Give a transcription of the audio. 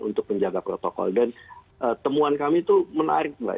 untuk menjaga protokol dan temuan kami itu menarik mbak